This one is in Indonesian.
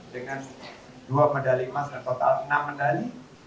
dengan dua medali emas dan total enam medali